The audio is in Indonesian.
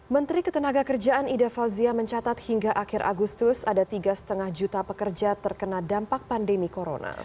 menteri ketenaga kerjaan ida fauzia mencatat hingga akhir agustus ada tiga lima juta pekerja terkena dampak pandemi corona